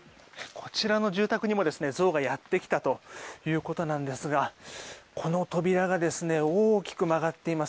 こちらの住宅にもゾウがやってきたということですがこの扉が大きく曲がっています。